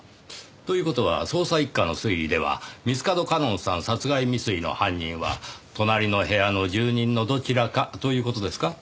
という事は捜査一課の推理では三ツ門夏音さん殺害未遂の犯人は隣の部屋の住人のどちらかという事ですか？